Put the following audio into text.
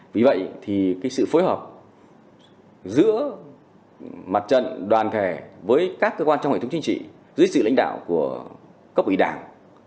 vì vậy thì sự phối hợp giữa mặt trận đoàn thể với các cơ quan trong hệ thống chính trị dưới sự lãnh đạo của cấp ủy đảng